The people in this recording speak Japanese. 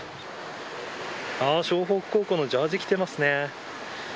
湘北高校のジャージ着てますね。